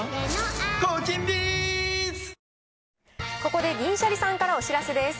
ここで銀シャリさんからお知らせです。